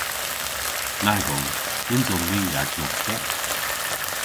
Nag on. Nyns on ni agnostek.